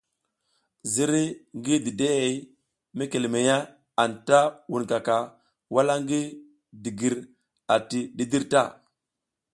Ziriy ngi dideʼe mekeleleya anta wunkaka wala ngi digir ati dǝdǝr ta.